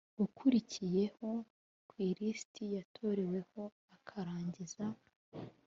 ukurikiyeho ku ilisiti yatoreweho akarangiza